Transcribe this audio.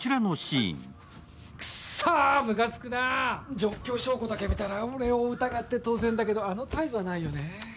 状況証拠だけ見たら俺を疑うのは当然だけど、あの態度はないよね。